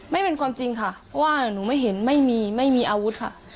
ไม่เป็นความจริงค่ะเพราะว่าหนูไม่เห็นไม่มีไม่มีอาวุธค่ะ